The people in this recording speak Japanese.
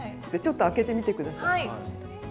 ちょっと開けてみて下さい。